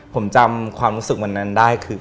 ผมจำความรู้สึกวันนั้นได้คือ